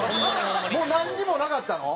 もうなんにもなかったの？